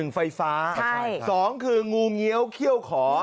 ไฟฟ้า๒คืองูเงี้ยวเขี้ยวขอ